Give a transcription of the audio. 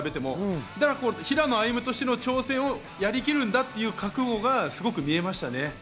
平野歩夢としての挑戦をやりきるんだという覚悟がすごく見えましたね。